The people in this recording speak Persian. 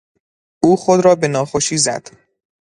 او خود را به ناخوشی زد.